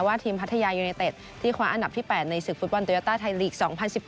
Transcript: ทีมพัทยายูเนเต็ดที่คว้าอันดับที่๘ในศึกฟุตบอลโยต้าไทยลีก๒๐๑๘